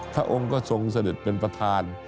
พระองค์ก็ทรงเสด็จเป็นประธาน